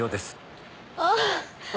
ああ！